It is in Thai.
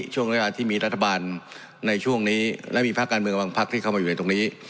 ช่วงเวลาที่มีรัฐบาลในช่วงนี้และมีภาคการเมืองบางพักที่เข้ามาอยู่ในตรงนี้